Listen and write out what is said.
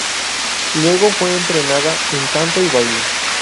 Luego fue entrenada en canto y baile.